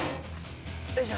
よいしょ。